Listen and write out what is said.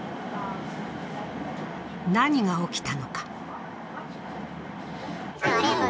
何が起きたのか。